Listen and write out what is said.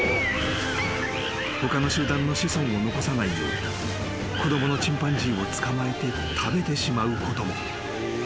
［他の集団の子孫を残さないよう子供のチンパンジーを捕まえて食べてしまうことも］